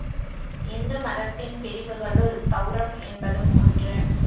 இந்து மதத்தின் பிரிவுகளுள் செளரம் என்பதும் ஒன்று.